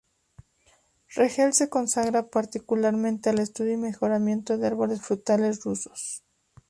Regel se consagra particularmente al estudio y mejoramiento de árboles frutales rusos.